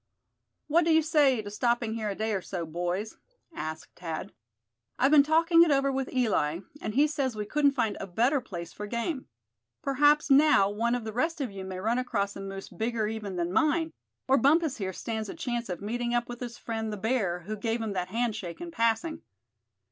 "What do you say to stopping here a day or so, boys?" asked Thad. "I've been talking it over with Eli, and he says we couldn't find a better place for game. Perhaps, now, one of the rest of you may run across a moose bigger even than mine; or Bumpus here stands a chance of meeting up with his friend, the bear, who gave him that handshake in passing."